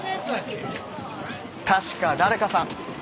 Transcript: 確か誰かさん